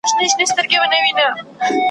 پر پچه وختی کشمیر یې ولیدی `